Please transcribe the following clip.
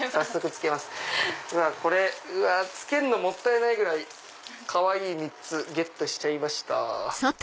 着けるのもったいないぐらいかわいい３つゲットしちゃいました。